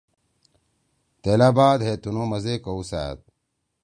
تیلا بعد ہے تنُو مزے کؤسأد۔